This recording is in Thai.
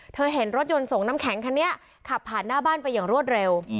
เห็นรถยนต์ส่งน้ำแข็งคันนี้ขับผ่านหน้าบ้านไปอย่างรวดเร็ว